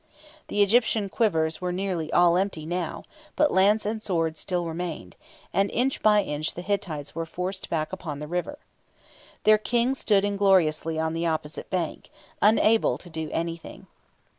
The Egyptian quivers were nearly all empty now; but lance and sword still remained, and inch by inch the Hittites were forced back upon the river. Their King stood ingloriously on the opposite bank, unable to do anything.